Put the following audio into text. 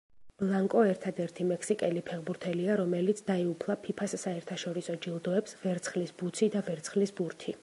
ბლანკო ერთადერთი მექსიკელი ფეხბურთელია, რომელიც დაეუფლა ფიფა-ს საერთაშორისო ჯილდოებს „ვერცხლის ბუცი“ და „ვერცხლის ბურთი“.